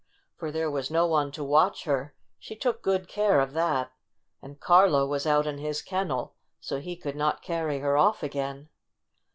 For there was no one to watch her — she took good care of that. And Carlo was out in his kennel, so he could not carry her off again.